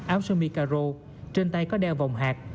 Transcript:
áo xương mi caro trên tay có đeo vòng hạt